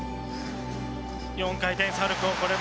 ４回転サルコー